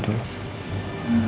saya mau pergi